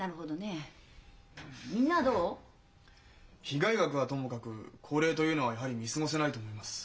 被害額はともかく高齢というのはやはり見過ごせないと思います。